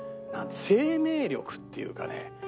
生命力っていうかね